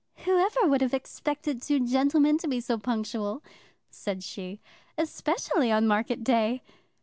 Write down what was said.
"Whoever would have expected two gentlemen to be so punctual," said she, "especially on market day!"